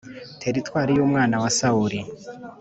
Teritwari y’umwana wa sawuri.